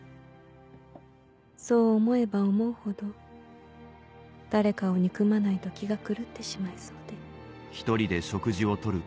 そう思えば思うほど誰かを憎まないと気が狂ってしまいそうで」。